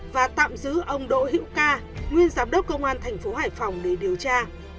và tạm giữ ông đỗ hữu ca nguyên giám đốc công an thành phố hải phòng để điều tra